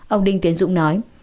ông đinh tiến dũng nói